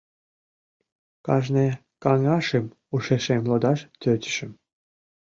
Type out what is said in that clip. Кажне каҥашым ушешем лодаш тӧчышым.